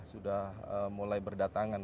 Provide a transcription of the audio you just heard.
sudah mulai berdatangan